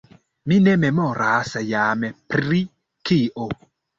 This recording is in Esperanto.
Mi ne memoras jam pri kio.